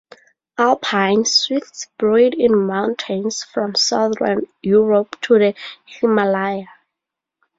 Alpine swifts breed in mountains from southern Europe to the Himalaya.